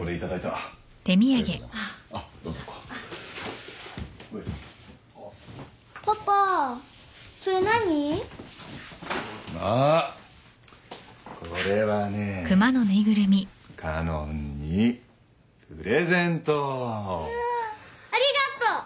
わぁありがとう！